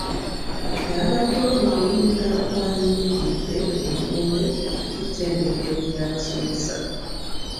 Byabaddewo mu kulonda okwayindidde e Mubende ku ttendekero ly'abasomesa.